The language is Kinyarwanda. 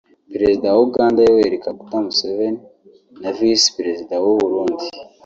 Perezida wa Uganda Yoweri Kaguta Museveni na Visi Perezida w’u Burundi